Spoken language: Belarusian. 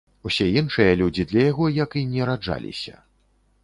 Усе іншыя людзі для яго, як і не раджаліся.